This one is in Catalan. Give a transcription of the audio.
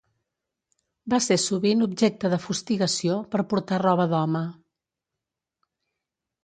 Va ser sovint objecte de fustigació per portar roba d'home.